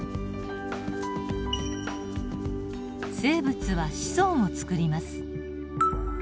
生物は子孫をつくります。